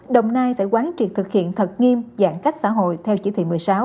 đồng nai phải quán triệt thực hiện thật nghiêm giãn cách xã hội theo chỉ thị một mươi sáu